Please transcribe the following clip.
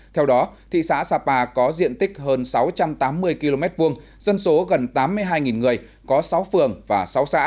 theo đó thị xã sapa có diện tích hơn sáu trăm tám mươi km hai dân số gần tám mươi hai người có sáu phường và sáu xã